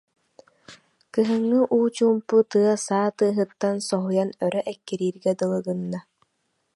Кыһыҥҥы уу чуумпу тыа саа тыаһыттан соһуйан өрө эккирииргэ дылы гынна